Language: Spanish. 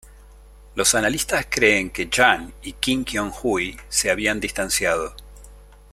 Los analistas creen que Jang y Kim Kyong-hui se habían distanciado.